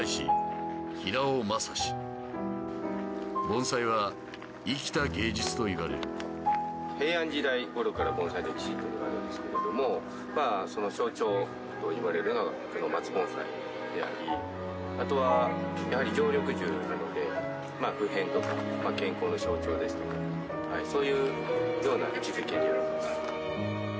盆栽は生きた芸術と言われる平安時代ごろから盆栽の歴史っていうのがあるんですけれどもまあその象徴と言われるのがこの松盆栽でありあとはやはり常緑樹なのでまあ普遍とか健康の象徴ですとかそういうような位置づけになります。